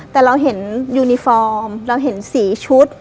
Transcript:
แต่เราเห็นยูนิฟอร์มเราเห็น๔ชุด